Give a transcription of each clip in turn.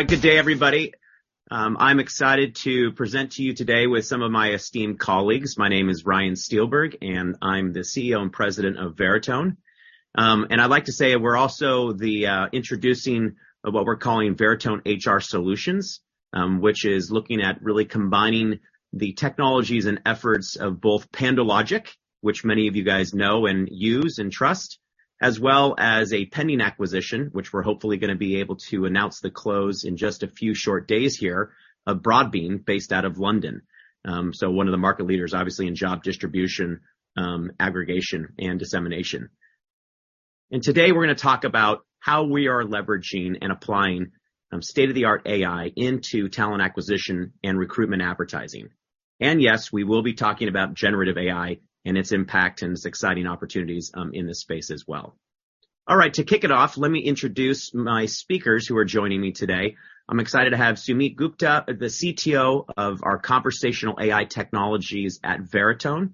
All right. Good day, everybody. I'm excited to present to you today with some of my esteemed colleagues. My name is Ryan Steelberg, and I'm the CEO and President of Veritone. I'd like to say we're also the introducing what we're calling Veritone HR Solutions, which is looking at really combining the technologies and efforts of both PandoLogic, which many of you guys know and use and trust, as well as a pending acquisition, which we're hopefully going to be able to announce the close in just a few short days here, of Broadbean, based out of London. One of the market leaders, obviously, in job distribution, aggregation, and dissemination. Today, we're going to talk about how we are leveraging and applying state-of-the-art AI into talent acquisition and recruitment advertising. Yes, we will be talking about generative AI and its impact and its exciting opportunities in this space as well. All right, to kick it off, let me introduce my speakers who are joining me today. I'm excited to have Sumit Gupta, the CTO of our conversational AI technologies at Veritone,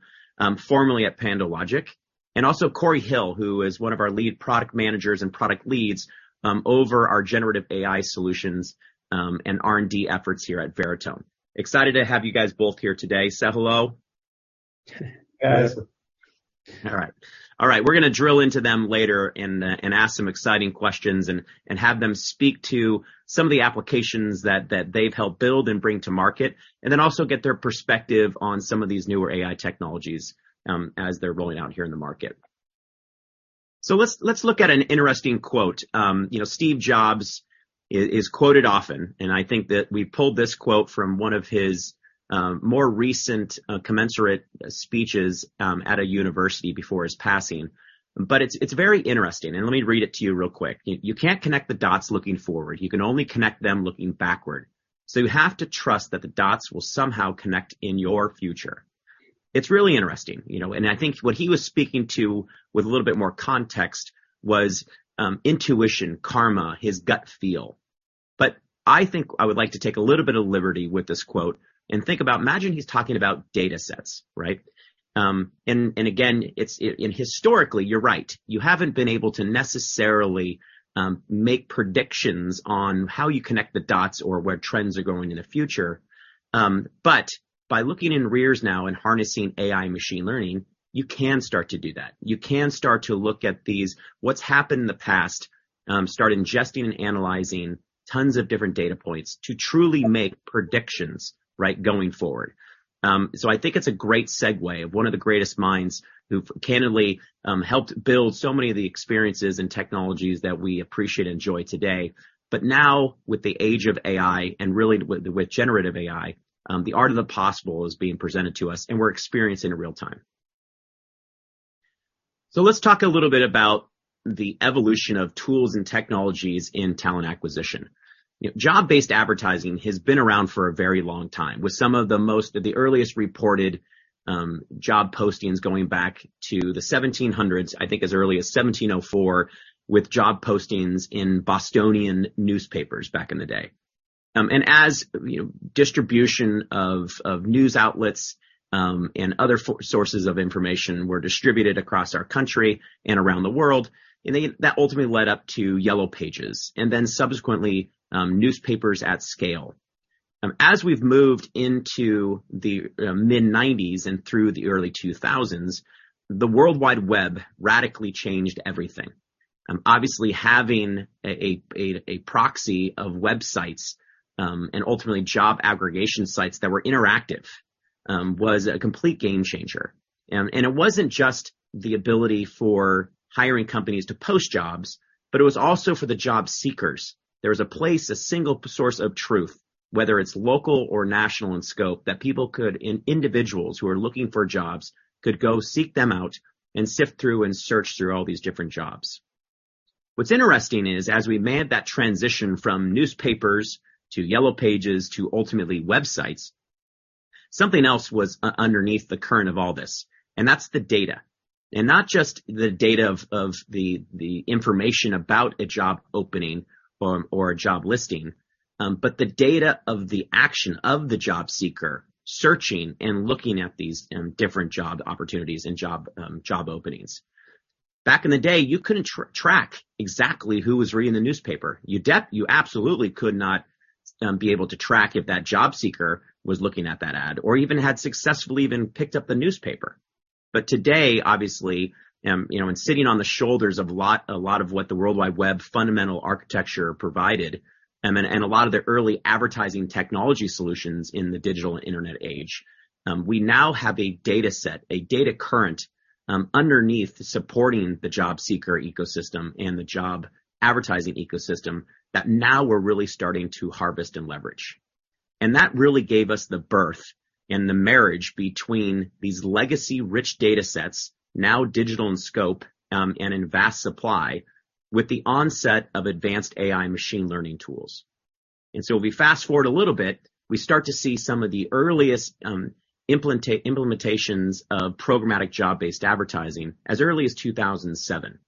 formerly at PandoLogic, and also Corey Hill, who is one of our lead product managers and product leads over our generative AI solutions and R&D efforts here at Veritone. Excited to have you guys both here today. Say hello. Hey. Yes. All right. All right, we're going to drill into them later and ask some exciting questions and have them speak to some of the applications that they've helped build and bring to market, and then also get their perspective on some of these newer AI technologies as they're rolling out here in the market. Let's look at an interesting quote. You know, Steve Jobs is quoted often, and I think that we pulled this quote from one of his more recent commencement speeches at a university before his passing. It's very interesting, and let me read it to you real quick. "You can't connect the dots looking forward. You can only connect them looking backward. You have to trust that the dots will somehow connect in your future." It's really interesting, you know, and I think what he was speaking to, with a little bit more context, was, intuition, karma, his gut feel. I think I would like to take a little bit of liberty with this quote and think about... Imagine he's talking about data sets, right? Again, it's, and historically, you're right, you haven't been able to necessarily, make predictions on how you connect the dots or where trends are going in the future. By looking in rears now and harnessing AI machine learning, you can start to do that. You can start to look at these, what's happened in the past, start ingesting and analyzing tons of different data points to truly make predictions, right, going forward. I think it's a great segue of one of the greatest minds who candidly helped build so many of the experiences and technologies that we appreciate and enjoy today. Now, with the age of AI, and really with generative AI, the art of the possible is being presented to us, and we're experiencing it in real time. Let's talk a little bit about the evolution of tools and technologies in talent acquisition. You know, job-based advertising has been around for a very long time, with some of the earliest reported job postings going back to the 1700s, I think as early as 1704, with job postings in Bostonian newspapers back in the day. As, you know, distribution of news outlets, and other sources of information were distributed across our country and around the world, and they, that ultimately led up to Yellow Pages and then subsequently, newspapers at scale. As we've moved into the mid-90s and through the early 2000, the World Wide Web radically changed everything. Obviously, having a proxy of websites, and ultimately job aggregation sites that were interactive, was a complete game changer. It wasn't just the ability for hiring companies to post jobs, but it was also for the job seekers. There was a place, a single source of truth, whether it's local or national in scope, that people could, and individuals who are looking for jobs, could go seek them out and sift through and search through all these different jobs. What's interesting is, as we made that transition from newspapers to Yellow Pages to ultimately websites, something else was underneath the current of all this, and that's the data. Not just the data of the information about a job opening or a job listing, but the data of the action of the job seeker searching and looking at these different job opportunities and job openings. Back in the day, you couldn't track exactly who was reading the newspaper. You absolutely could not be able to track if that job seeker was looking at that ad or even had successfully even picked up the newspaper. Today, obviously, you know, and sitting on the shoulders of a lot of what the World Wide Web fundamental architecture provided, and a lot of the early advertising technology solutions in the digital internet age, we now have a data set, a data current, underneath supporting the job seeker ecosystem and the job advertising ecosystem, that now we're really starting to harvest and leverage. That really gave us the birth and the marriage between these legacy-rich data sets, now digital in scope, and in vast supply, with the onset of advanced AI machine learning tools. If we fast-forward a little bit, we start to see some of the earliest implementations of programmatic job-based advertising as early as 2007.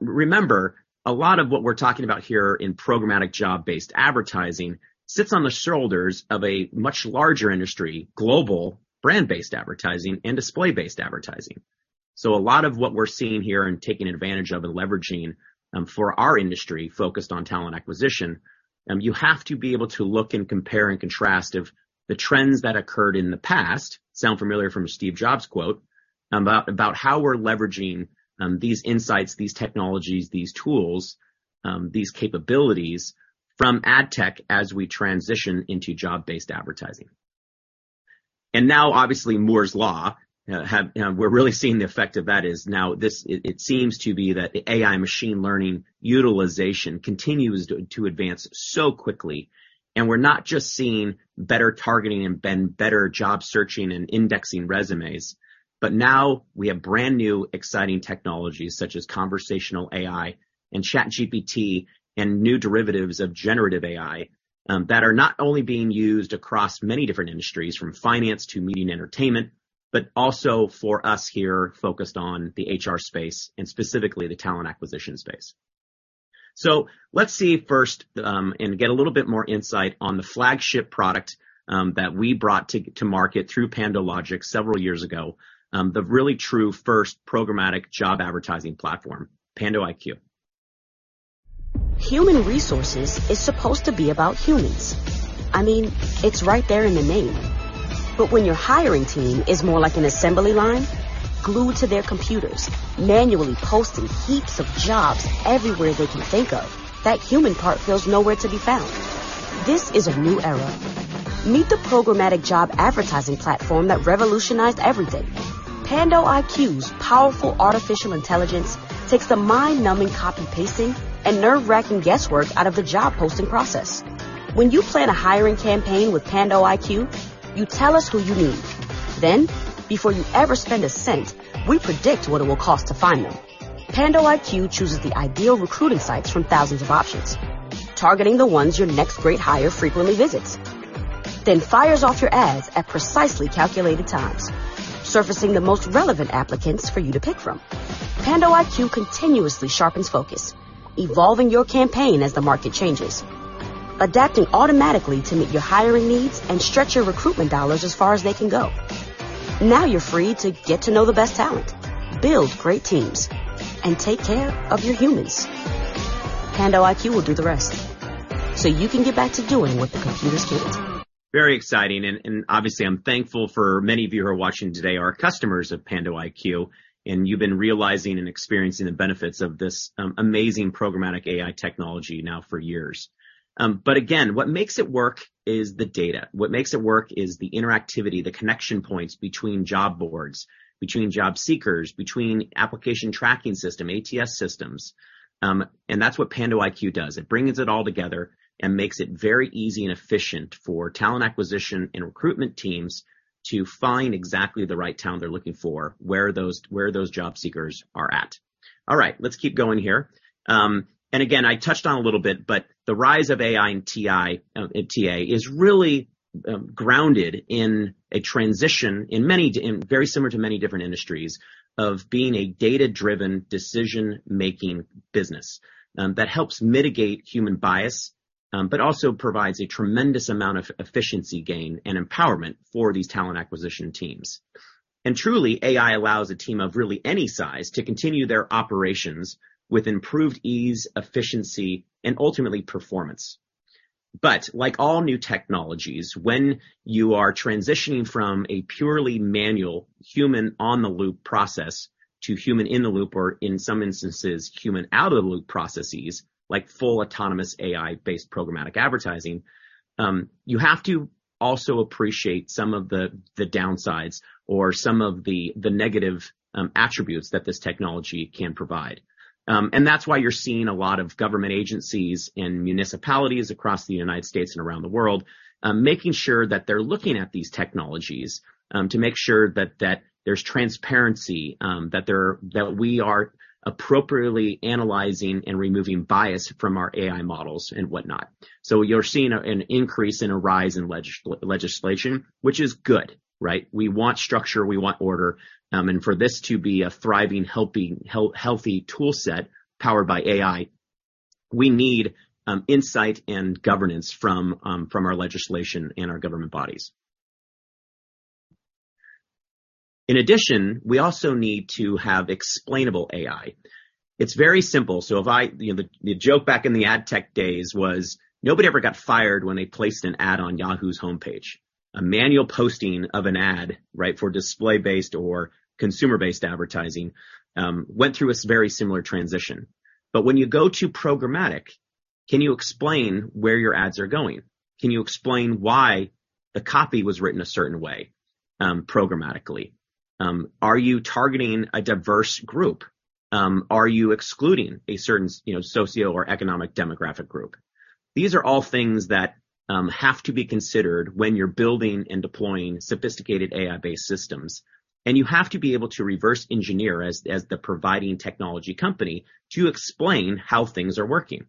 Remember, a lot of what we're talking about here in programmatic job-based advertising sits on the shoulders of a much larger industry, global brand-based advertising and display-based advertising. A lot of what we're seeing here and taking advantage of and leveraging for our industry, focused on talent acquisition, you have to be able to look and compare and contrast of the trends that occurred in the past, sound familiar from a Steve Jobs quote, about how we're leveraging these insights, these technologies, these tools, these capabilities from ad tech as we transition into job-based advertising. Now, obviously, Moore's Law, we're really seeing the effect of that is now it seems to be that the AI machine learning utilization continues to advance so quickly, and we're not just seeing better targeting and then better job searching and indexing resumes, but now we have brand-new exciting technologies such as conversational AI and ChatGPT and new derivatives of generative AI, that are not only being used across many different industries, from finance to media and entertainment, but also for us here, focused on the HR space and specifically the talent acquisition space. Let's see first, and get a little bit more insight on the flagship product, that we brought to market through PandoLogic several years ago. The really true first programmatic job advertising platform, pandoIQ. Human resources is supposed to be about humans. I mean, it's right there in the name. When your hiring team is more like an assembly line, glued to their computers, manually posting heaps of jobs everywhere they can think of, that human part feels nowhere to be found. This is a new era. Meet the programmatic job advertising platform that revolutionized everything. pandoIQ's powerful artificial intelligence takes the mind-numbing copy-pasting and nerve-wracking guesswork out of the job posting process. When you plan a hiring campaign with pandoIQ, you tell us who you need. Before you ever spend a cent, we predict what it will cost to find them. pandoIQ chooses the ideal recruiting sites from thousands of options, targeting the ones your next great hire frequently visits, then fires off your ads at precisely calculated times, surfacing the most relevant applicants for you to pick from. pandoIQ continuously sharpens focus, evolving your campaign as the market changes, adapting automatically to meet your hiring needs and stretch your recruitment dollars as far as they can go. Now you're free to get to know the best talent, build great teams, and take care of your humans. pandoIQ will do the rest, so you can get back to doing what the computers do. Very exciting, obviously I'm thankful for many of you who are watching today are customers of pandoIQ, and you've been realizing and experiencing the benefits of this amazing programmatic AI technology now for years. Again, what makes it work is the data. What makes it work is the interactivity, the connection points between job boards, between job seekers, between application tracking system, ATS systems. That's what pandoIQ does. It brings it all together and makes it very easy and efficient for talent acquisition and recruitment teams to find exactly the right talent they're looking for, where those job seekers are at. All right, let's keep going here. Again, I touched on it a little bit, the rise of AI and TA is really grounded in a transition in very similar to many different industries, of being a data-driven decision-making business. That helps mitigate human bias, but also provides a tremendous amount of efficiency gain and empowerment for these talent acquisition teams. Truly, AI allows a team of really any size to continue their operations with improved ease, efficiency, and ultimately performance. Like all new technologies, when you are transitioning from a purely manual human-on-the-loop process to human-in-the-loop, or in some instances, human-out-of-the-loop processes, like full autonomous AI-based programmatic advertising, you have to also appreciate some of the downsides or some of the negative attributes that this technology can provide. That's why you're seeing a lot of government agencies and municipalities across the United States and around the world, making sure that they're looking at these technologies, to make sure that there's transparency, that we are appropriately analyzing and removing bias from our AI models and whatnot. You're seeing an increase and a rise in legislation, which is good, right? We want structure, we want order, for this to be a thriving, helping, healthy tool set powered by AI, we need insight and governance from our legislation and our government bodies. In addition, we also need to have explainable AI. It's very simple. You know, the joke back in the ad tech days was nobody ever got fired when they placed an ad on Yahoo's homepage. A manual posting of an ad, right, for display-based or consumer-based advertising, went through a very similar transition. When you go to programmatic, can you explain where your ads are going? Can you explain why the copy was written a certain way, programmatically? Are you targeting a diverse group? Are you excluding a certain you know, socio or economic demographic group? These are all things that have to be considered when you're building and deploying sophisticated AI-based systems, and you have to be able to reverse engineer, as the providing technology company, to explain how things are working.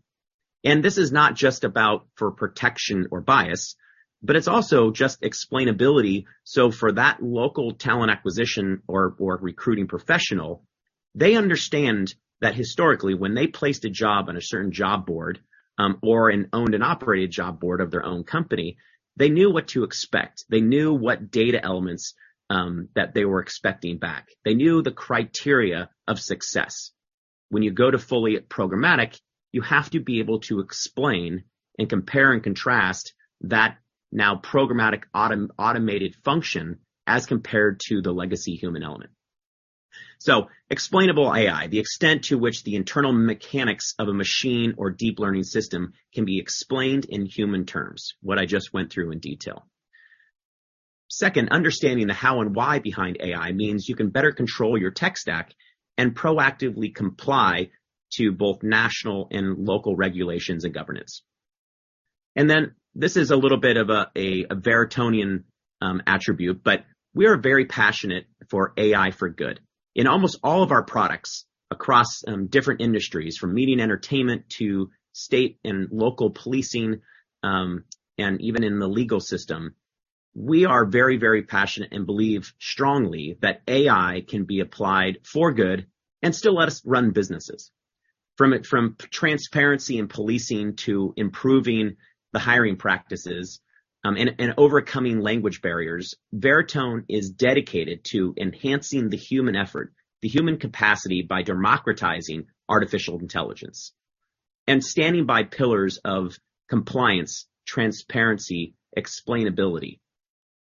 This is not just about for protection or bias, but it's also just explainability. For that local talent acquisition or recruiting professional, they understand that historically, when they placed a job on a certain job board, or an owned and operated job board of their own company, they knew what to expect. They knew what data elements that they were expecting back. They knew the criteria of success. When you go to fully programmatic, you have to be able to explain and compare and contrast that now programmatic automated function as compared to the legacy human element. Explainable AI, the extent to which the internal mechanics of a machine or deep learning system can be explained in human terms, what I just went through in detail. Second, understanding the how and why behind AI means you can better control your tech stack and proactively comply to both national and local regulations and governance. This is a little bit of a Veritonean attribute, but we are very passionate for AI for Good. In almost all of our products across different industries, from media and entertainment to state and local policing, and even in the legal system, we are very, very passionate and believe strongly that AI can be applied for Good and still let us run businesses. From it, from transparency in policing to improving the hiring practices, and overcoming language barriers, Veritone is dedicated to enhancing the human effort, the human capacity, by democratizing artificial intelligence. Standing by pillars of compliance, transparency, explainability,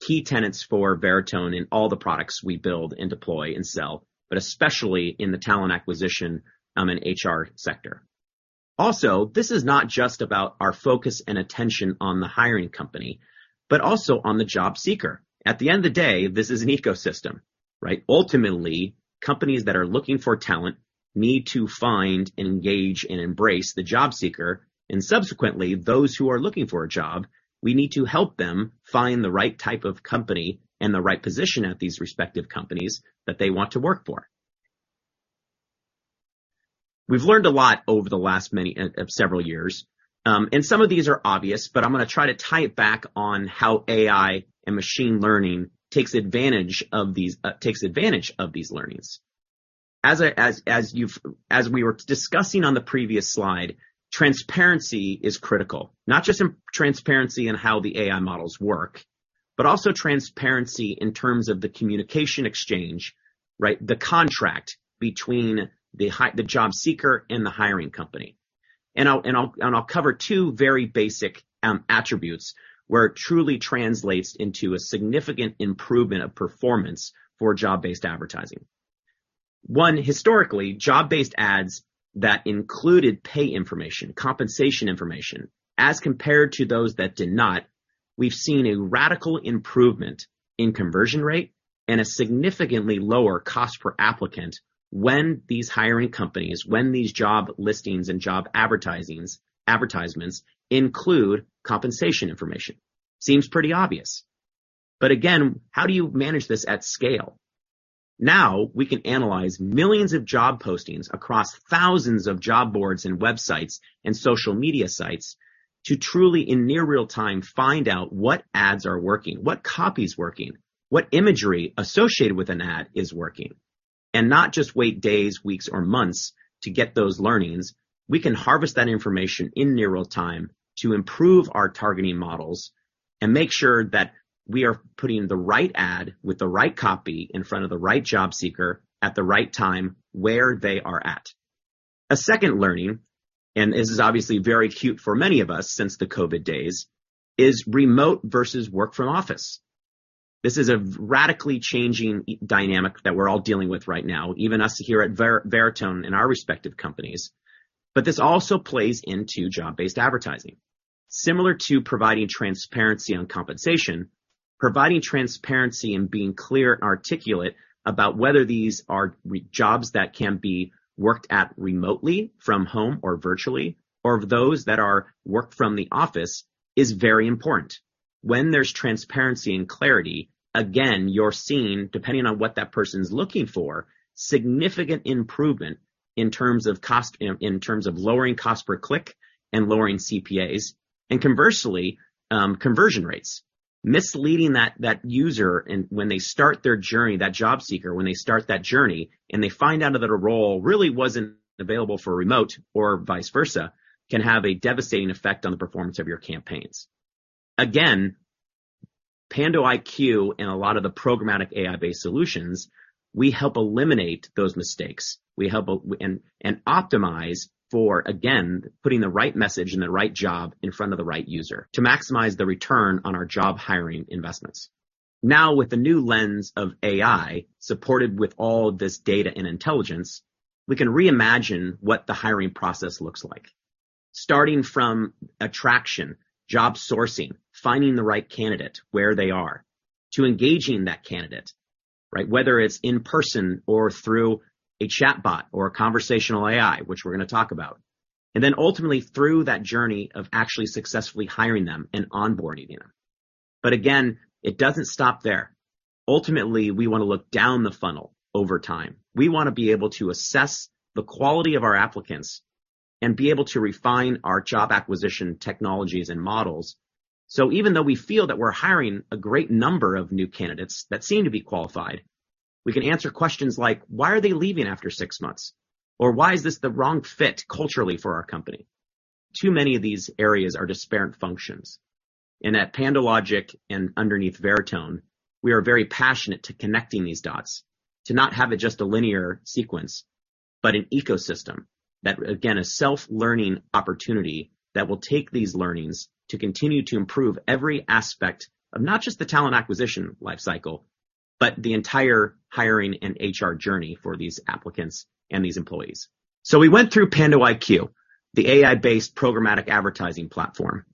key tenets for Veritone in all the products we build and deploy and sell, but especially in the talent acquisition and HR sector. This is not just about our focus and attention on the hiring company, but also on the job seeker. At the end of the day, this is an ecosystem, right? Ultimately, companies that are looking for talent need to find and engage and embrace the job seeker, and subsequently, those who are looking for a job, we need to help them find the right type of company and the right position at these respective companies that they want to work for. We've learned a lot over the last many, several years. Some of these are obvious, but I'm going to try to tie it back on how AI and machine learning takes advantage of these, takes advantage of these learnings. As we were discussing on the previous slide, transparency is critical. Not just in transparency in how the AI models work, but also transparency in terms of the communication exchange, right? The contract between the job seeker and the hiring company. I'll cover two very basic attributes where it truly translates into a significant improvement of performance for job-based advertising. One, historically, job-based ads that included pay information, compensation information, as compared to those that did not, we've seen a radical improvement in conversion rate and a significantly lower cost per applicant when these hiring companies, when these job listings and job advertisements include compensation information. Seems pretty obvious, but again, how do you manage this at scale? We can analyze millions of job postings across thousands of job boards and websites and social media sites to truly, in near real time, find out what ads are working, what copy is working, what imagery associated with an ad is working, and not just wait days, weeks, or months to get those learnings. We can harvest that information in near real time to improve our targeting models and make sure that we are putting the right ad with the right copy in front of the right job seeker at the right time, where they are at. A second learning, and this is obviously very acute for many of us since the COVID days, is remote versus work from office. This is a radically changing dynamic that we're all dealing with right now, even us here at Veritone and our respective companies, this also plays into job-based advertising. Similar to providing transparency on compensation, providing transparency and being clear and articulate about whether these are jobs that can be worked at remotely from home or virtually, or those that are work from the office, is very important. When there's transparency and clarity, again, you're seeing, depending on what that person's looking for, significant improvement in terms of cost, in terms of lowering cost per click and lowering CPAs, and conversely, conversion rates. Misleading that user and when they start their journey, that job seeker, when they start that journey, and they find out that a role really wasn't available for remote or vice versa, can have a devastating effect on the performance of your campaigns. pandoIQ and a lot of the programmatic AI-based solutions, we help eliminate those mistakes. We help and optimize for, again, putting the right message and the right job in front of the right user to maximize the return on our job hiring investments. With the new lens of AI, supported with all this data and intelligence, we can reimagine what the hiring process looks like. Starting from attraction, job sourcing, finding the right candidate where they are, to engaging that candidate, right? Whether it's in person or through a chatbot or a conversational AI, which we're going to talk about, and then ultimately through that journey of actually successfully hiring them and onboarding them. Again, it doesn't stop there. Ultimately, we want to look down the funnel over time. We want to be able to assess the quality of our applicants and be able to refine our job acquisition technologies and models. Even though we feel that we're hiring a great number of new candidates that seem to be qualified, we can answer questions like: Why are they leaving after six months? Why is this the wrong fit culturally for our company? Too many of these areas are disparate functions. At PandoLogic and underneath Veritone, we are very passionate to connecting these dots, to not have it just a linear sequence, but an ecosystem that, again, a self-learning opportunity that will take these learnings to continue to improve every aspect of not just the talent acquisition life cycle, but the entire hiring and HR journey for these applicants and these employees. We went through pandoIQ, the AI-based programmatic advertising platform.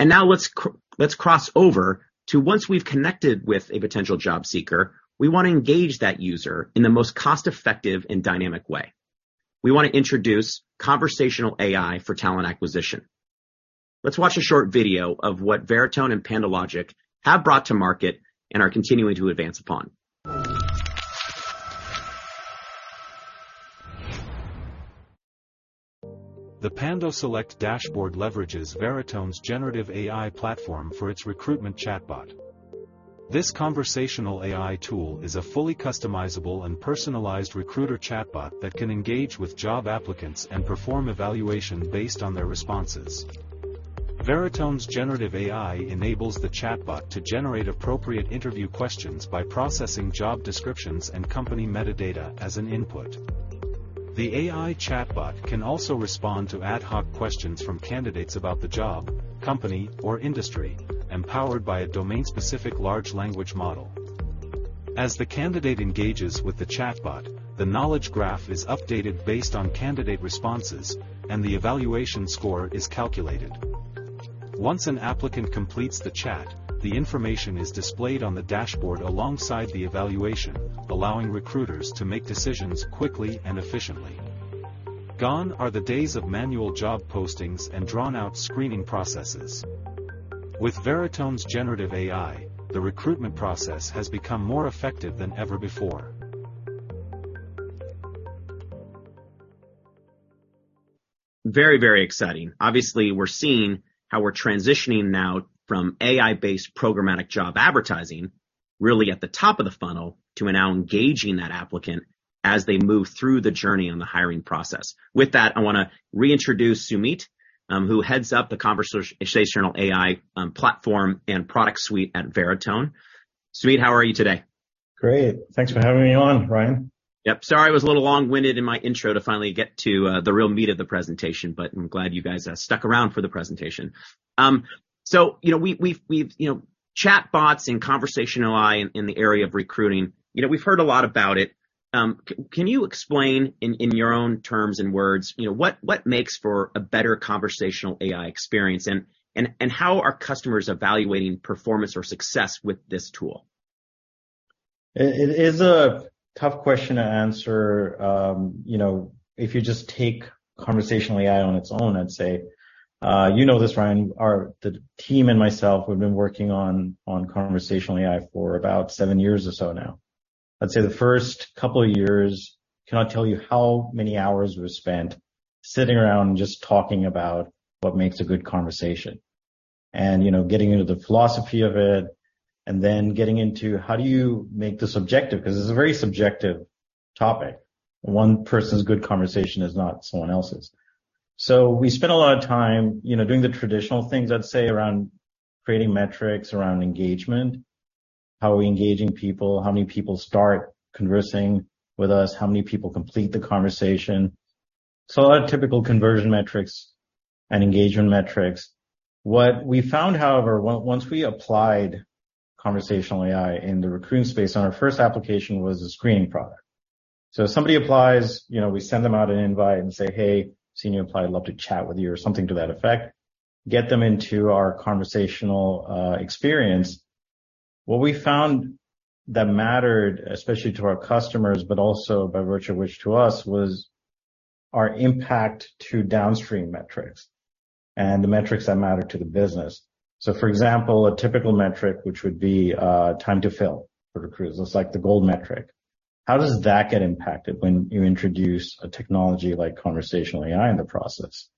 Now let's cross over to once we've connected with a potential job seeker, we want to engage that user in the most cost-effective and dynamic way. We want to introduce conversational AI for talent acquisition. Let's watch a short video of what Veritone and PandoLogic have brought to market and are continuing to advance upon. The pandoSELECT dashboard leverages Veritone's generative AI platform for its recruitment chatbot. This conversational AI tool is a fully customizable and personalized recruiter chatbot that can engage with job applicants and perform evaluation based on their responses. Veritone's generative AI enables the chatbot to generate appropriate interview questions by processing job descriptions and company metadata as an input. The AI chatbot can also respond to ad hoc questions from candidates about the job, company, or industry, empowered by a domain-specific large language model. As the candidate engages with the chatbot, the knowledge graph is updated based on candidate responses, and the evaluation score is calculated. Once an applicant completes the chat, the information is displayed on the dashboard alongside the evaluation, allowing recruiters to make decisions quickly and efficiently. Gone are the days of manual job postings and drawn-out screening processes. With Veritone's generative AI, the recruitment process has become more effective than ever before. Very, very exciting. Obviously, we're seeing how we're transitioning now from AI-based programmatic job advertising, really at the top of the funnel, to now engaging that applicant as they move through the journey on the hiring process. With that, I want to reintroduce Sumit, who heads up the conversational AI platform and product suite at Veritone. Sumit, how are you today? Great. Thanks for having me on, Ryan. Yep. Sorry, I was a little long-winded in my intro to finally get to the real meat of the presentation. I'm glad you guys stuck around for the presentation. You know, we've You know, chatbots and conversational AI in the area of recruiting, you know, we've heard a lot about it. Can you explain in your own terms and words, you know, what makes for a better conversational AI experience, and how are customers evaluating performance or success with this tool? It is a tough question to answer. You know, if you just take conversational AI on its own, I'd say, you know this, Ryan, the team and myself, we've been working on conversational AI for about seven years or so now. I'd say the first couple of years, cannot tell you how many hours were spent sitting around just talking about what makes a good conversation and, you know, getting into the philosophy of it, and then getting into how do you make this objective, because this is a very subjective topic. One person's good conversation is not someone else's. We spent a lot of time, you know, doing the traditional things, I'd say, around creating metrics, around engagement, how are we engaging people, how many people start conversing with us, how many people complete the conversation. A lot of typical conversion metrics and engagement metrics. What we found, however, once we applied conversational AI in the recruiting space, and our first application was a screening product. Somebody applies, you know, we send them out an invite and say, "Hey, I've seen you apply. I'd love to chat with you," or something to that effect, get them into our conversational experience. What we found that mattered, especially to our customers, but also by virtue of which to us, was our impact to downstream metrics and the metrics that matter to the business. For example, a typical metric, which would be time to fill for recruiters, it's like the gold metric. How does that get impacted when you introduce a technology like conversational AI in the process?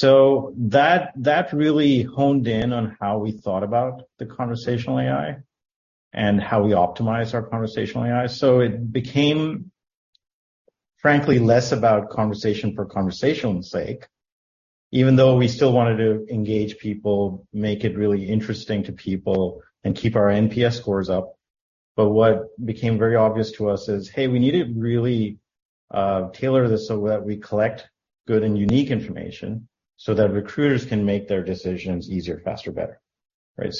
That, that really honed in on how we thought about the conversational AI and how we optimize our conversational AI. It became, frankly, less about conversation for conversation sake, even though we still wanted to engage people, make it really interesting to people, and keep our NPS scores up. What became very obvious to us is, hey, we need to really tailor this so that we collect good and unique information, so that recruiters can make their decisions easier, faster, better, right?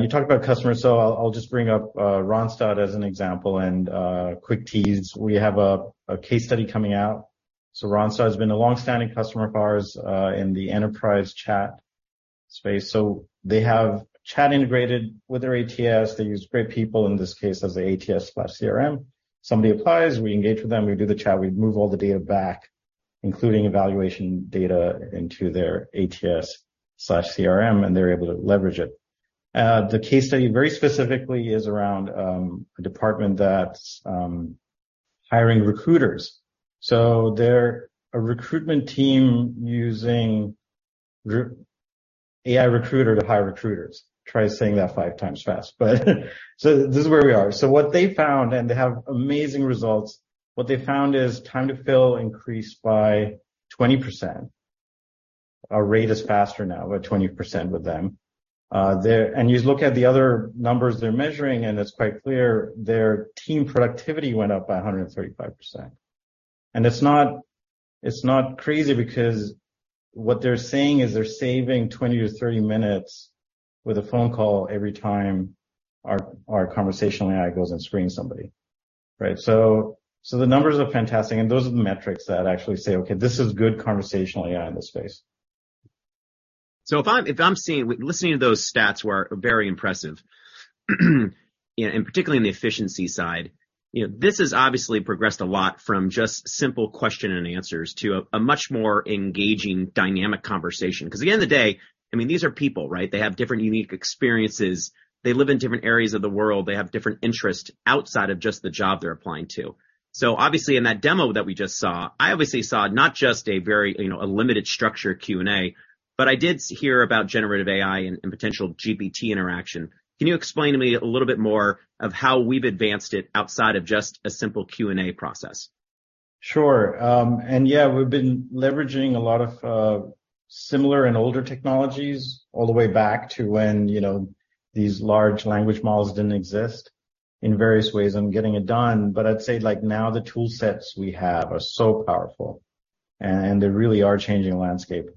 You talked about customers, so I'll just bring up Randstad as an example, and quick tease, we have a case study coming out. Randstad has been a long-standing customer of ours, in the enterprise chat space. They have chat integrated with their ATS. They use GR8 People, in this case, as the ATS/CRM. Somebody applies, we engage with them, we do the chat, we move all the data back, including evaluation data into their ATS/CRM. They're able to leverage it. The case study very specifically is around a department that's hiring recruiters. They're a recruitment team using AI recruiter to hire recruiters. Try saying that 5x fast. This is where we are. What they found, they have amazing results, what they found is time to fill increased by 20%. Our rate is faster now, by 20% with them. You look at the other numbers they're measuring, it's quite clear their team productivity went up by 135%. It's not crazy because what they're saying is they're saving 20-30 minutes with a phone call every time our conversational AI goes and screens somebody, right? The numbers are fantastic, and those are the metrics that actually say, "Okay, this is good conversational AI in this space. listening to those stats were very impressive, and particularly in the efficiency side. You know, this has obviously progressed a lot from just simple question and answers to a much more engaging, dynamic conversation. At the end of the day, I mean, these are people, right? They have different unique experiences. They live in different areas of the world. They have different interests outside of just the job they're applying to. Obviously, in that demo that we just saw, I obviously saw not just a very, you know, a limited structure Q&A, but I did hear about generative AI and potential GPT interaction. Can you explain to me a little bit more of how we've advanced it outside of just a simple Q&A process? Sure. We've been leveraging a lot of similar and older technologies all the way back to when, you know, these large language models didn't exist in various ways on getting it done. Now the tool sets we have are so powerful, they really are changing the landscape.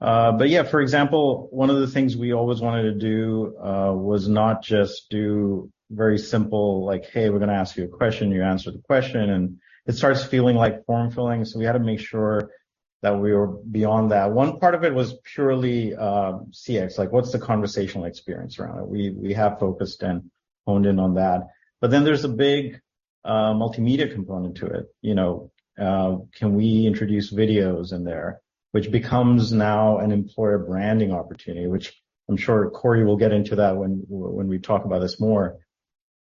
For example, one of the things we always wanted to do was not just do very simple, like, "Hey, we're going to ask you a question," you answer the question, it starts feeling like form filling. We had to make sure that we were beyond that. One part of it was purely CX, what's the conversational experience around it? We have focused and honed in on that. There's a big multimedia component to it. You know, can we introduce videos in there, which becomes now an employer branding opportunity, which I'm sure Corey will get into that when we talk about this more.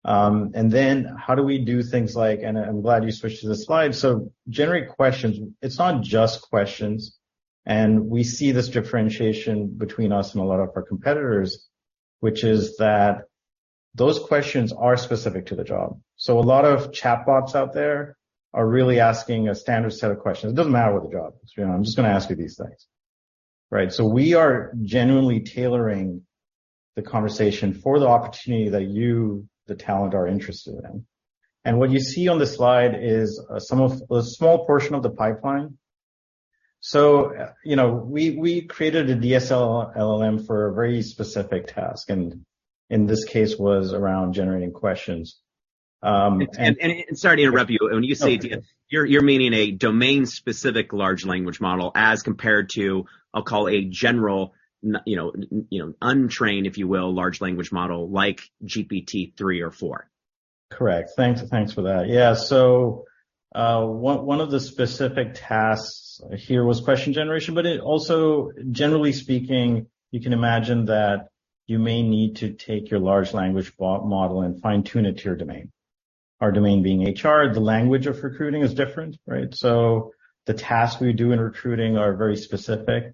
Then how do we do things like. I'm glad you switched to this slide. Generate questions. It's not just questions, and we see this differentiation between us and a lot of our competitors, which is that those questions are specific to the job. A lot of chatbots out there are really asking a standard set of questions. It doesn't matter what the job is, you know, I'm just going to ask you these things, right? We are genuinely tailoring the conversation for the opportunity that you, the talent, are interested in. What you see on the slide is some of a small portion of the pipeline. you know, we created a DSL LLM for a very specific task, and in this case, was around generating questions. Sorry to interrupt you. Okay. When you say DSL LLM, you're meaning a domain-specific large language model as compared to, I'll call a general, you know, untrained, if you will, large language model like GPT-3 or 4. Correct. Thanks, thanks for that. One of the specific tasks here was question generation, but it also, generally speaking, you can imagine that you may need to take your large language model and fine-tune it to your domain. Our domain being HR, the language of recruiting is different, right? The tasks we do in recruiting are very specific,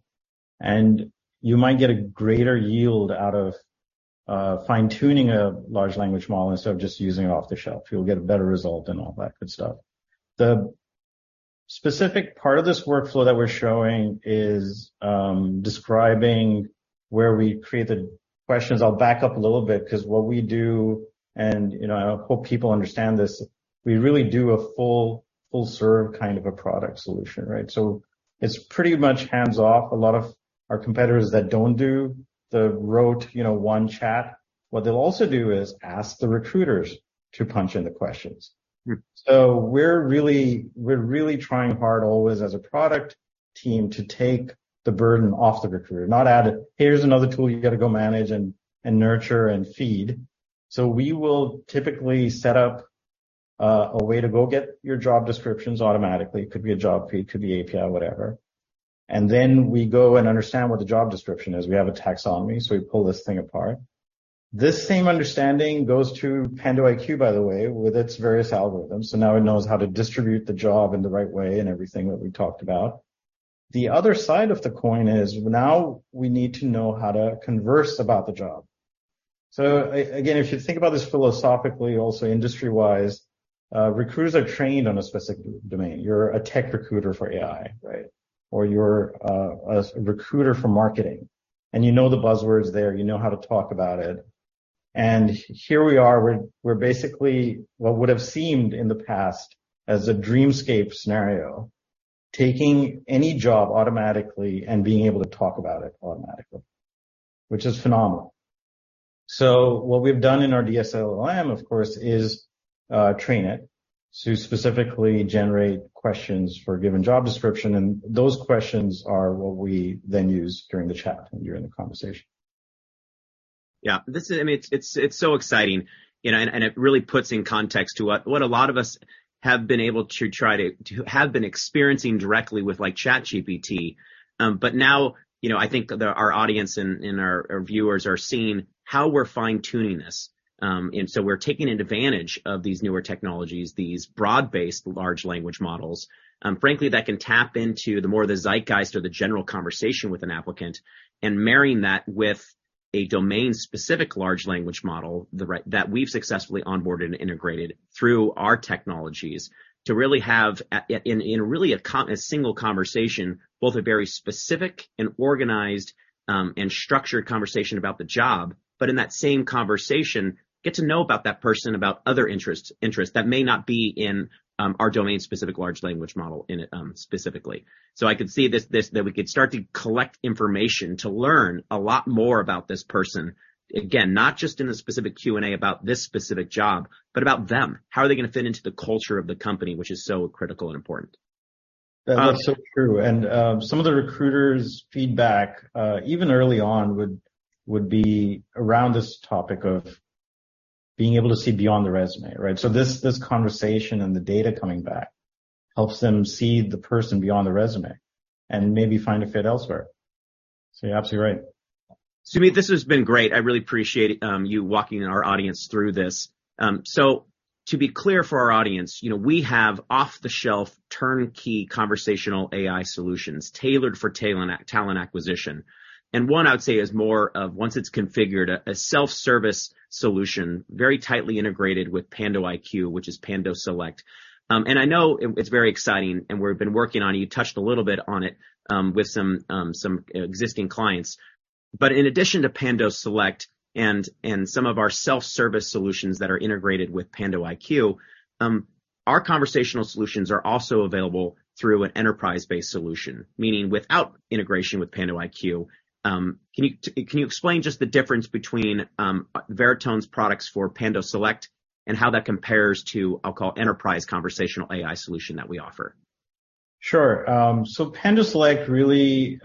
and you might get a greater yield out of fine-tuning a large language model instead of just using it off the shelf. You'll get a better result and all that good stuff. The specific part of this workflow that we're showing is describing where we create the questions. I'll back up a little bit because what we do, and, you know, I hope people understand this, we really do a full serve kind of a product solution, right? It's pretty much hands-off. A lot of our competitors that don't do the rote, you know, one chat, what they'll also do is ask the recruiters to punch in the questions. Yep. We're really trying hard always as a product team, to take the burden off the recruiter, not add it. Here's another tool you got to go manage and nurture and feed. We will typically set up a way to go get your job descriptions automatically. It could be a job feed, could be API, whatever. Then we go and understand what the job description is. We have a taxonomy, so we pull this thing apart. This same understanding goes to pandoIQ, by the way, with its various algorithms. Now it knows how to distribute the job in the right way and everything that we talked about. The other side of the coin is, now we need to know how to converse about the job. Again, if you think about this philosophically, also industry-wise, recruiters are trained on a specific domain. You're a tech recruiter for AI, right? You're a recruiter for marketing, and you know the buzzwords there, you know how to talk about it. Here we are, we're basically what would have seemed in the past as a dreamscape scenario, taking any job automatically and being able to talk about it automatically, which is phenomenal. What we've done in our DSLM, of course, is train it to specifically generate questions for a given job description, and those questions are what we then use during the chat, during the conversation. Yeah, this is, I mean, it's so exciting, you know, and it really puts in context to what a lot of us have been able to have been experiencing directly with, like, ChatGPT. Now, you know, I think that our audience and our viewers are seeing how we're fine-tuning this. We're taking advantage of these newer technologies, these broad-based large language models. Frankly, that can tap into the more the zeitgeist or the general conversation with an applicant, and marrying that with a domain-specific large language model, the right, that we've successfully onboarded and integrated through our technologies, to really have a in really a single conversation, both a very specific and organized, and structured conversation about the job. In that same conversation, get to know about that person, about other interests that may not be in our domain-specific large language model in specifically. I could see this, that we could start to collect information to learn a lot more about this person. Not just in the specific Q&A about this specific job, but about them. How are they going to fit into the culture of the company, which is so critical and important? That's so true, and, some of the recruiters' feedback, even early on, would be around this topic of being able to see beyond the resume, right? This conversation and the data coming back helps them see the person beyond the resume and maybe find a fit elsewhere. You're absolutely right. Sumit, this has been great. I really appreciate you walking our audience through this. To be clear for our audience, you know, we have off-the-shelf, turnkey conversational AI solutions tailored for talent acquisition. One, I would say, is more of once it's configured, a self-service solution, very tightly integrated with pandoIQ, which is pandoSELECT. I know it's very exciting, and we've been working on it. You touched a little bit on it with some existing clients. In addition to pandoSELECT and some of our self-service solutions that are integrated with pandoIQ, our conversational solutions are also available through an enterprise-based solution, meaning without integration with pandoIQ. Can you explain just the difference between Veritone's products for pandoSELECT and how that compares to, I'll call, enterprise conversational AI solution that we offer? Sure. pandoSELECT really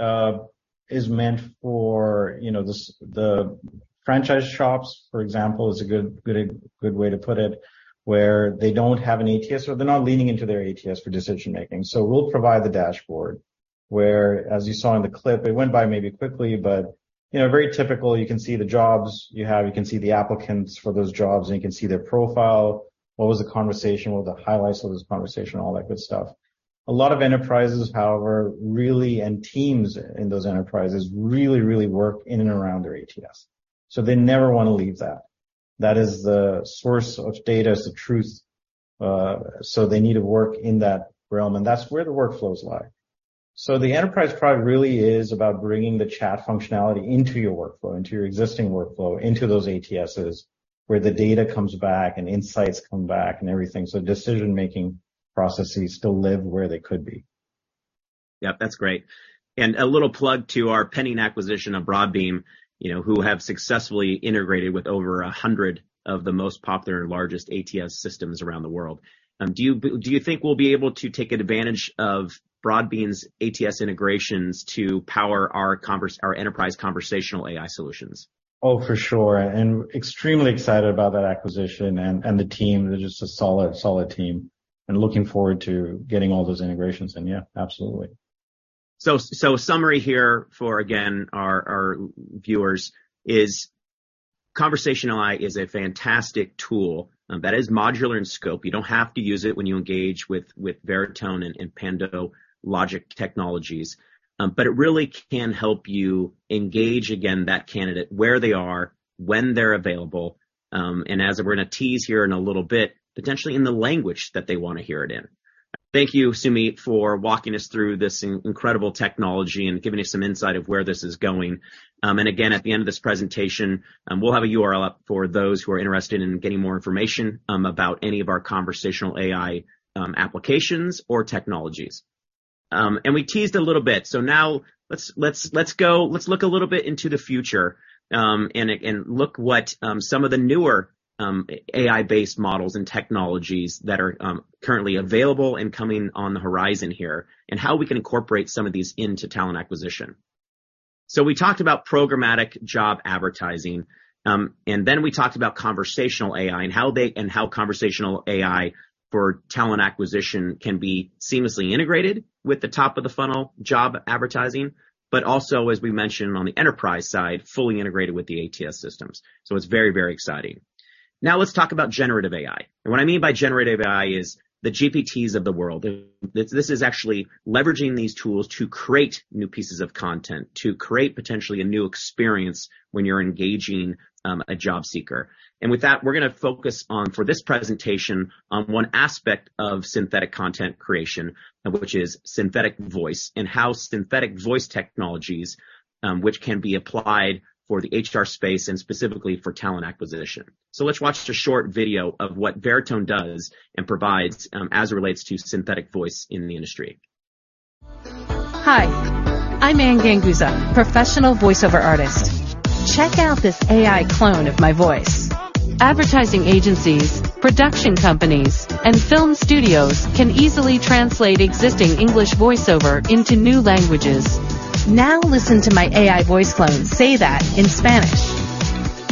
is meant for, you know, the franchise shops, for example, is a good way to put it, where they don't have an ATS or they're not leaning into their ATS for decision-making. We'll provide the dashboard, where, as you saw in the clip, it went by maybe quickly, but, you know, very typical. You can see the jobs you have, you can see the applicants for those jobs, and you can see their profile. What was the conversation? What were the highlights of this conversation? All that good stuff. A lot of enterprises, however, really, and teams in those enterprises, really work in and around their ATS. They never want to leave that. That is the source of data, it's the truth. They need to work in that realm, and that's where the workflows lie. The enterprise product really is about bringing the chat functionality into your workflow, into your existing workflow, into those ATSs, where the data comes back and insights come back and everything. Decision-making processes still live where they could be. Yep, that's great. A little plug to our pending acquisition of Broadbean, you know, who have successfully integrated with over 100 of the most popular and largest ATS systems around the world. Do you think we'll be able to take advantage of Broadbean's ATS integrations to power our enterprise conversational AI solutions? Oh, for sure, and extremely excited about that acquisition and the team. They're just a solid team, and looking forward to getting all those integrations in, yeah, absolutely. A summary here for, again, our viewers, is conversational AI is a fantastic tool that is modular in scope. You don't have to use it when you engage with Veritone and PandoLogic technologies. But it really can help you engage, again, that candidate where they are, when they're available, and as we're going to tease here in a little bit, potentially in the language that they want to hear it in. Thank you, Sumit, for walking us through this incredible technology and giving us some insight of where this is going. And again, at the end of this presentation, we'll have a URL up for those who are interested in getting more information about any of our conversational AI applications or technologies. We teased a little bit, so now let's look a little bit into the future, and look what some of the newer AI-based models and technologies that are currently available and coming on the horizon here, and how we can incorporate some of these into talent acquisition. We talked about programmatic job advertising, and then we talked about conversational AI and how conversational AI for talent acquisition can be seamlessly integrated with the top of the funnel job advertising, but also, as we mentioned on the enterprise side, fully integrated with the ATS systems. It's very, very exciting. Now let's talk about generative AI. What I mean by generative AI is the GPTs of the world. This is actually leveraging these tools to create new pieces of content, to create potentially a new experience when you're engaging a job seeker. With that, we're going to focus on, for this presentation, on one aspect of synthetic content creation, which is synthetic voice, and how synthetic voice technologies, which can be applied for the HR space and specifically for talent acquisition. Let's watch a short video of what Veritone does and provides, as it relates to synthetic voice in the industry. Hi, I'm Anne Ganguzza, professional voiceover artist. Check out this AI clone of my voice. Advertising agencies, production companies, and film studios can easily translate existing English voiceover into new languages. Now listen to my AI voice clone say that in Spanish.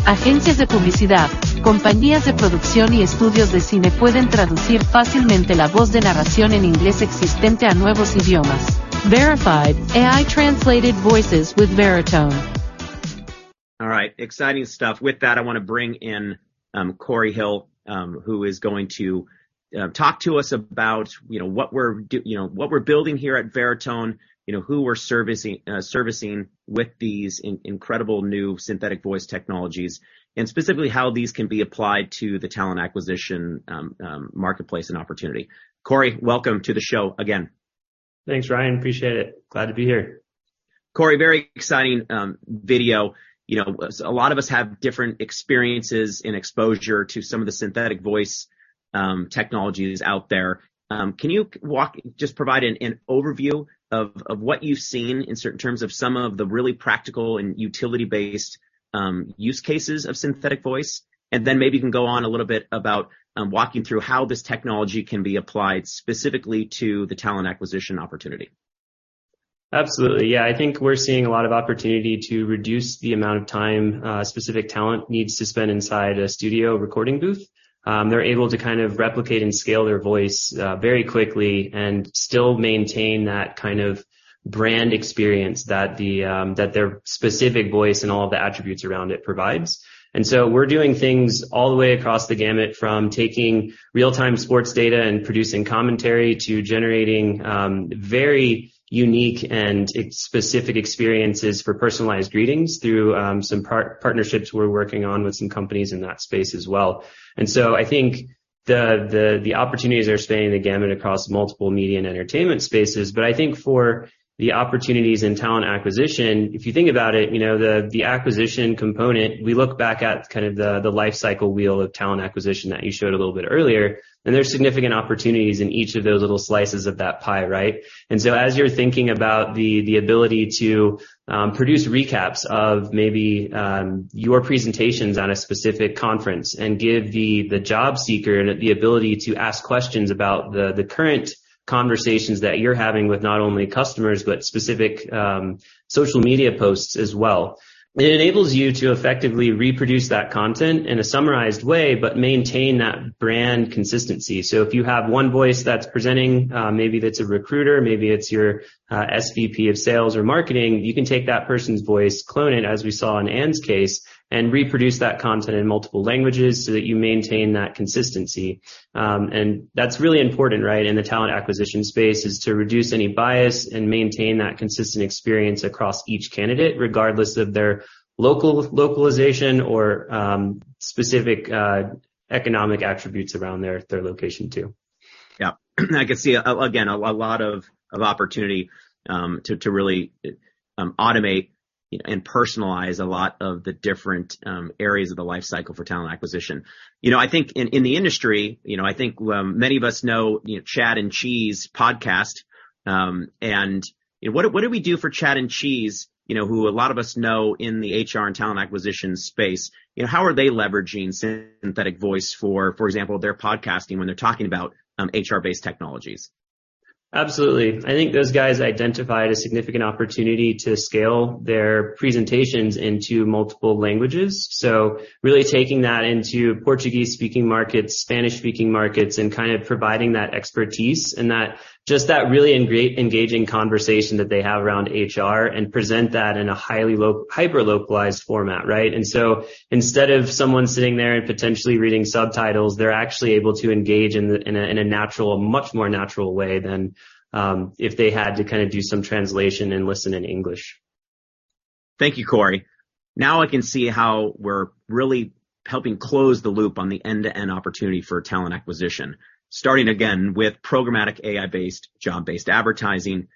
Agencias de publicidad, compañías de producción y estudios de cine pueden traducir fácilmente la voz de narración en inglés existente a nuevos idiomas. Verified AI translated voices with Veritone. All right. Exciting stuff. With that, I wanna bring in Corey Hill, who is going to talk to us about, you know, what we're building here at Veritone, you know, who we're servicing with these incredible new synthetic voice technologies, and specifically how these can be applied to the talent acquisition marketplace and opportunity. Corey, welcome to the show again. Thanks, Ryan. Appreciate it. Glad to be here. Corey, very exciting video. You know, a lot of us have different experiences and exposure to some of the synthetic voice technologies out there. Can you just provide an overview of what you've seen in terms of some of the really practical and utility-based use cases of synthetic voice? Maybe you can go on a little bit about walking through how this technology can be applied specifically to the talent acquisition opportunity? Absolutely. Yeah, I think we're seeing a lot of opportunity to reduce the amount of time specific talent needs to spend inside a studio recording booth. They're able to kind of replicate and scale their voice very quickly and still maintain that kind of brand experience that their specific voice and all of the attributes around it provides. We're doing things all the way across the gamut, from taking real-time sports data and producing commentary to generating very unique and specific experiences for personalized greetings through some partnerships we're working on with some companies in that space as well. I think the opportunities are spanning the gamut across multiple media and entertainment spaces. I think for the opportunities in talent acquisition, if you think about it, you know, the acquisition component, we look back at kind of the life cycle wheel of talent acquisition that you showed a little bit earlier, and there's significant opportunities in each of those little slices of that pie, right? As you're thinking about the ability to produce recaps of maybe your presentations on a specific conference and give the job seeker the ability to ask questions about the current conversations that you're having with not only customers, but specific social media posts as well, it enables you to effectively reproduce that content in a summarized way, but maintain that brand consistency. If you have one voice that's presenting, maybe that's a recruiter, maybe it's your SVP of sales or marketing, you can take that person's voice, clone it, as we saw in Anne's case, and reproduce that content in multiple languages so that you maintain that consistency. That's really important, right? In the talent acquisition space, is to reduce any bias and maintain that consistent experience across each candidate, regardless of their localization or specific economic attributes around their location too. I can see, again, a lot of opportunity, to really automate and personalize a lot of the different areas of the life cycle for talent acquisition. You know, I think in the industry, you know, I think many of us know, you know, Chad and Cheese podcast. What do we do for Chad and Cheese, you know, who a lot of us know in the HR and talent acquisition space, you know, how are they leveraging synthetic voice for example, their podcasting when they're talking about HR-based technologies? Absolutely. I think those guys identified a significant opportunity to scale their presentations into multiple languages. Really taking that into Portuguese-speaking markets, Spanish-speaking markets, and kind of providing that expertise and that, just that really engaging conversation that they have around HR, and present that in a highly hyper localized format, right? Instead of someone sitting there and potentially reading subtitles, they're actually able to engage in a natural, a much more natural way than if they had to kinda do some translation and listen in English. Thank you, Corey. Now I can see how we're really helping close the loop on the end-to-end opportunity for talent acquisition. Starting again with programmatic AI-based, job-based advertising,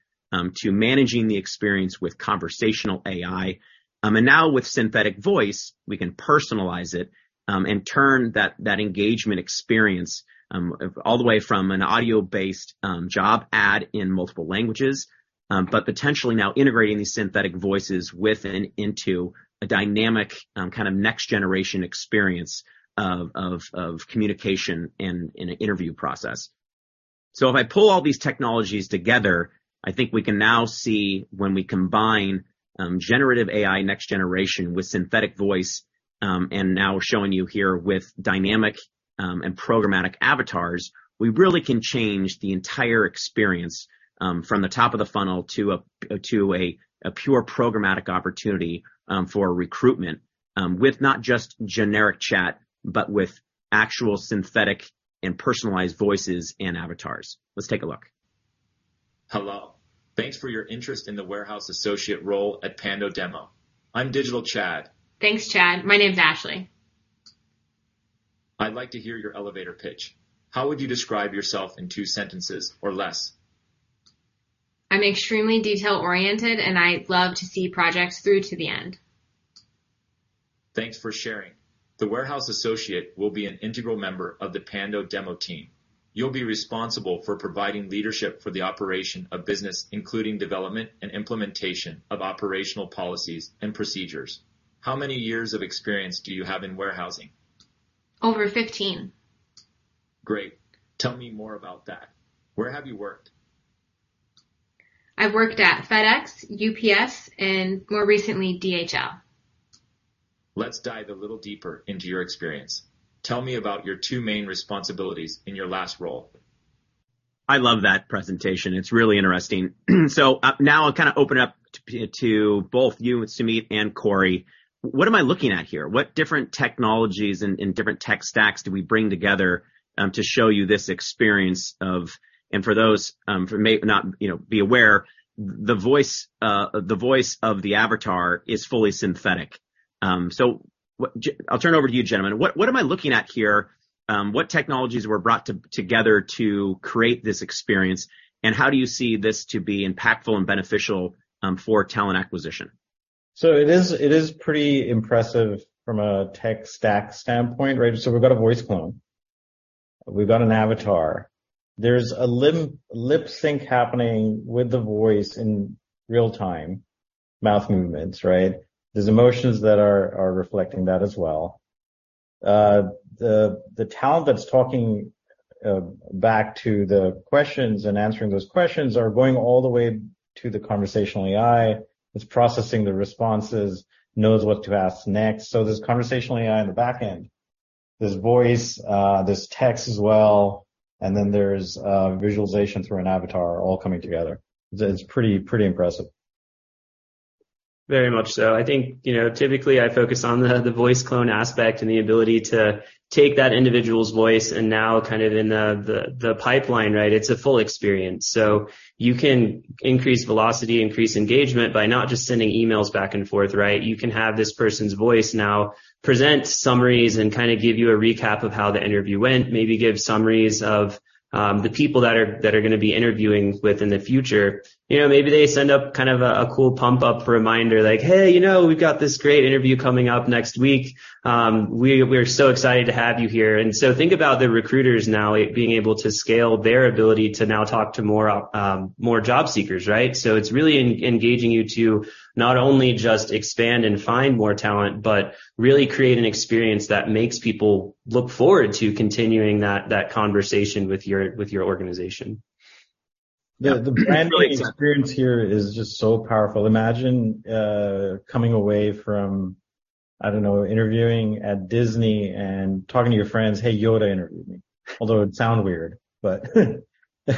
to managing the experience with conversational AI. Now with synthetic voice, we can personalize it, and turn that engagement experience, all the way from an audio-based, job ad in multiple languages, but potentially now integrating these synthetic voices within into a dynamic, kind of next-generation experience of communication in an interview process. If I pull all these technologies together, I think we can now see when we combine generative AI next generation with synthetic voice, and now showing you here with dynamic and programmatic avatars, we really can change the entire experience from the top of the funnel to a, to a pure programmatic opportunity for recruitment with not just generic chat, but with actual synthetic and personalized voices and avatars. Let's take a look. Hello. Thanks for your interest in the warehouse associate role at PandoDemo. I'm digital Chad. Thanks, Chad. My name's Ashley. I'd like to hear your elevator pitch. How would you describe yourself in two sentences or less? I'm extremely detail-oriented, and I love to see projects through to the end. Thanks for sharing. The warehouse associate will be an integral member of the PandoDemo team. You'll be responsible for providing leadership for the operation of business, including development and implementation of operational policies and procedures. How many years of experience do you have in warehousing? Over 15. Great. Tell me more about that. Where have you worked? I've worked at FedEx, UPS, and more recently, DHL. Let's dive a little deeper into your experience. Tell me about your two main responsibilities in your last role? I love that presentation. It's really interesting. Now I'll kind of open up to both you, Sumit and Corey. What am I looking at here? What different technologies and different tech stacks do we bring together to show you this experience of... For those, you know, who may not be aware, the voice, the voice of the avatar is fully synthetic. I'll turn it over to you, gentlemen. What am I looking at here? What technologies were brought together to create this experience, and how do you see this to be impactful and beneficial for talent acquisition? It is, it is pretty impressive from a tech stack standpoint, right? We've got a voice clone. We've got an avatar. There's a lip sync happening with the voice in real time, mouth movements, right? There's emotions that are reflecting that as well. The talent that's talking, back to the questions and answering those questions are going all the way to the conversational AI. It's processing the responses, knows what to ask next. There's conversational AI on the back end. There's voice, there's text as well, and then there's visualization through an avatar all coming together. It's pretty impressive. Very much so. I think, you know, typically I focus on the voice clone aspect and the ability to take that individual's voice and now kind of in the pipeline, right? It's a full experience. You can increase velocity, increase engagement by not just sending emails back and forth, right? You can have this person's voice now present summaries and kind of give you a recap of how the interview went. Maybe give summaries of the people that are gonna be interviewing with in the future. You know, maybe they send up kind of a cool pump-up reminder, like, "Hey, you know, we've got this great interview coming up next week. We're so excited to have you here." Think about the recruiters now being able to scale their ability to now talk to more, more job seekers, right? It's really engaging you to not only just expand and find more talent, but really create an experience that makes people look forward to continuing that conversation with your organization. Yeah. The branding experience here is just so powerful. Imagine, coming away from, I don't know, interviewing at Disney and talking to your friends, "Hey, Yoda interviewed me." Although it would sound weird, but it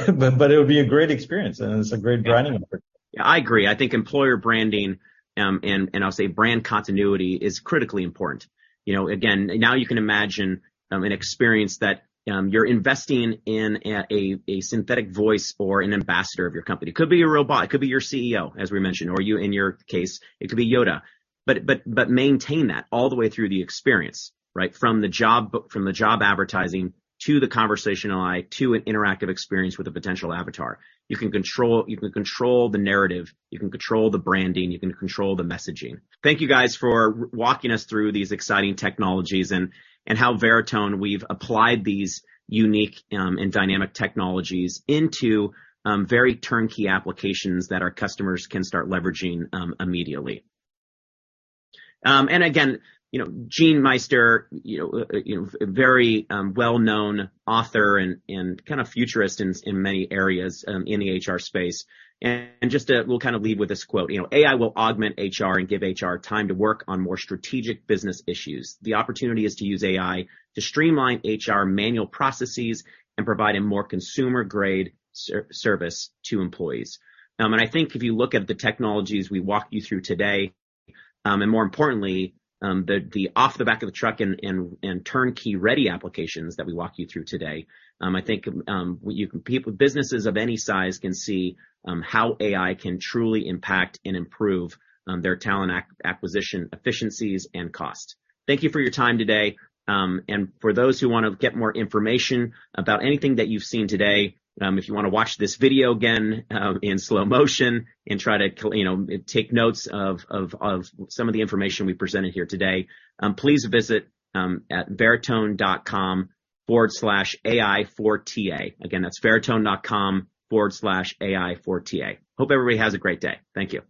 would be a great experience, and it's a great branding effort. I agree. I think employer branding, and I'll say brand continuity, is critically important. You know, again, now you can imagine an experience that you're investing in a synthetic voice or an ambassador of your company. Could be a robot, could be your CEO, as we mentioned, or you, in your case, it could be Yoda. Maintain that all the way through the experience, right? From the job advertising to the conversational AI, to an interactive experience with a potential avatar. You can control the narrative, you can control the branding, you can control the messaging. Thank you, guys, for walking us through these exciting technologies and how Veritone, we've applied these unique and dynamic technologies into very turnkey applications that our customers can start leveraging immediately. Again, you know, Jeanne Meister, you know, a very well-known author and kind of futurist in many areas in the HR space. Just to we'll kind of leave with this quote: "You know, AI will augment HR and give HR time to work on more strategic business issues. The opportunity is to use AI to streamline HR manual processes and provide a more consumer-grade service to employees." I think if you look at the technologies we walked you through today, and more importantly, the off the back of the truck and turnkey-ready applications that we walked you through today, I think you can businesses of any size can see how AI can truly impact and improve their talent acquisition, efficiencies, and cost. Thank you for your time today. For those who want to get more information about anything that you've seen today, if you want to watch this video again, in slow motion and try to you know, take notes of some of the information we presented here today, please visit at veritone.com/ai4ta. Again, that's veritone.com/ai4ta. Hope everybody has a great day. Thank you.